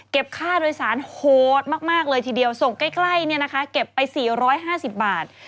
ค่าโดยสารโหดมากเลยทีเดียวส่งใกล้เนี่ยนะคะเก็บไป๔๕๐บาท